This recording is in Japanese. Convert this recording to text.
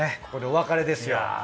ここでお別れですよ。